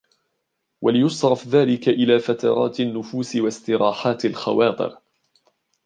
وَلْيُصْرَفْ ذَلِكَ إلَى فَتَرَاتِ النُّفُوسِ وَاسْتِرَاحَاتِ الْخَوَاطِرِ